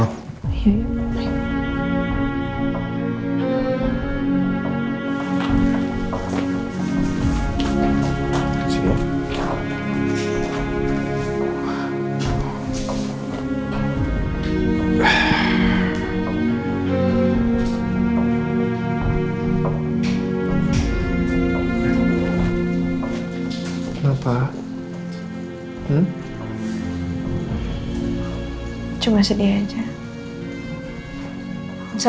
sampai kapan gue harus kayak gini